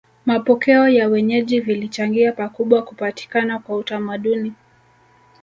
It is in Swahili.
Mapokeo ya wenyeji vilichangia pakubwa kupatikana kwa utamaduni